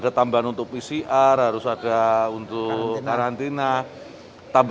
alimentasi kel kolombou